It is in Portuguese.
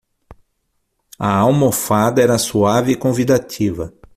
A almofada era suave e convidativa.